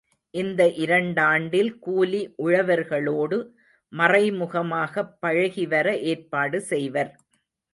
இந்த இரண்டாண்டில் கூலி உழவர்களோடு மறைமுகமாகப் பழகிவர ஏற்பாடு செய்வர்.